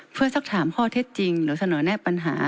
เพื่อสักถามข้อเท็จจริงหรือเสนอแน่ปัญหา